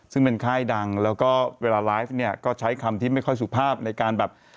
ซึ่งเป็นค่ายดังแล้วก็เวลาไลฟ์เนี่ยก็ใช้คำที่ไม่ค่อยสุภาพในการแบบ